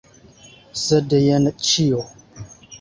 Sed jen ĉio.